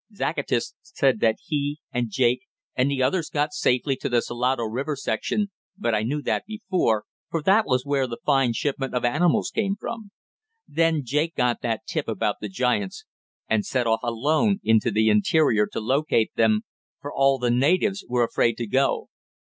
"Zacatas said that he and Jake and the others got safely to the Salado river section, but I knew that before, for that was where the fine shipment of animals came from. Then Jake got that tip about the giants, and set off alone into the interior to locate them, for all the natives were afraid to go.